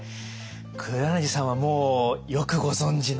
黒柳さんはもうよくご存じの？